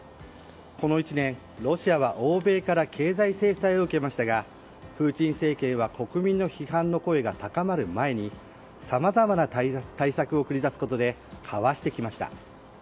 この１年、ロシアは欧米から経済制裁を受けましたがプーチン政権は国民の批判の声が高まる前にさまざまな対策を繰り出すことでかわしてきました。